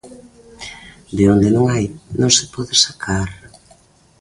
De onde non hai non se pode sacar.